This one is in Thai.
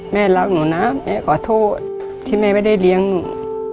แม่รักหนูนะแม่ขอโทษที่แม่ไม่ได้เลี้ยงหนู